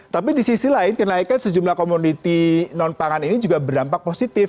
tapi di sisi lain kenaikan sejumlah komoditi non pangan ini juga berdampak positif